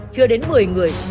chưa đến một mươi người